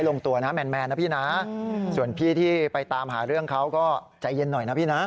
ส่วนคนเสื้อเทาในคลิปที่ชกกันเนี่ยนะ